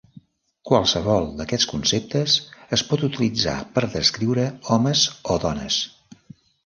Qualsevol d'aquests conceptes es pot utilitzar per descriure homes o dones.